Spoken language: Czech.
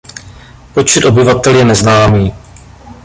Počet obyvatel je neznámý.